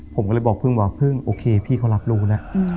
ผมก็เลยบอกพึ่งว่าพึ่งโอเคพี่เขารับรู้แล้ว